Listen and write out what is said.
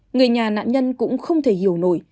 người nhà nạn nhân cũng không thể hiểu nổi